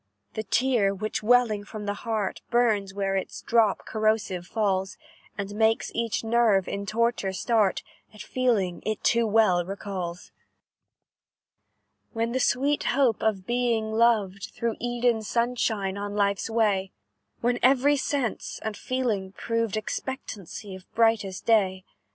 "The tear which, welling from the heart, Burns where its drop corrosive falls, And makes each nerve, in torture, start, At feelings it too well recalls: "When the sweet hope of being loved Threw Eden sunshine on life's way: When every sense and feeling proved Expectancy of brightest day.